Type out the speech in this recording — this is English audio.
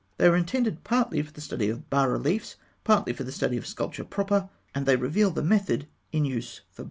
They were intended partly for the study of bas reliefs, partly for the study of sculpture proper; and they reveal the method in use for both.